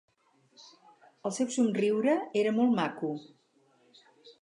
El seu somriure era molt maco.